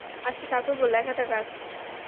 আচ্ছা, ঠাকুরপো, লেখাটা কার।